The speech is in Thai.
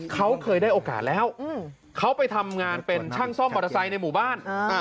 เขาเคยได้โอกาสแล้วเขาไปทำงานเป็นช่างซ่อมมอเตอร์ไซค์ในหมู่บ้าน